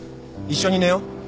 一緒に寝よう。